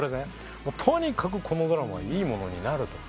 とにかくこのドラマはいいものになると。